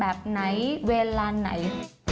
แบบไหนเวลาไหน